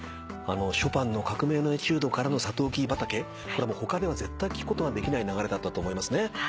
ショパンの『革命のエチュード』からの『さとうきび畑』他では絶対聴くことができない流れだったと思いますね。